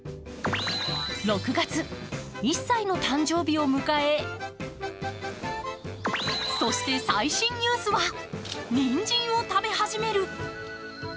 ６月、１歳の誕生日を迎えそして最新ニュースはにんじんを食べ始める。